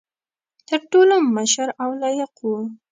تر ټولو مشر او لایق وو.